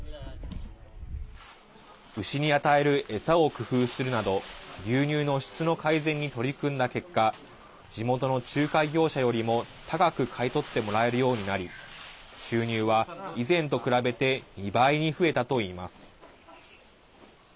牛に与える餌を工夫するなど牛乳の質の改善に取り組んだ結果地元の仲介業者よりも高く買い取ってもらえるようになり収入は以前と比べて２倍に増えたといいます。